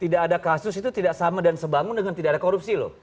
tidak ada kasus itu tidak sama dan sebangun dengan tidak ada korupsi loh